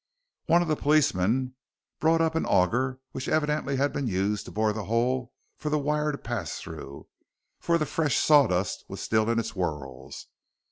One of the policemen brought up an auger which evidently had been used to bore the hole for the wire to pass through, for the fresh sawdust was still in its whorls.